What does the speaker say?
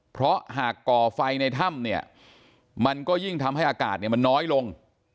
เพราะหากก่อไฟในถ้ำเนี่ยมันก็ยิ่งทำให้อากาศเนี่ยมันน้อยลง